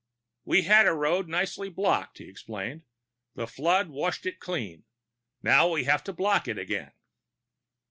"We had the road nicely blocked," he explained. "The flood washed it clean. Now we have to block it again."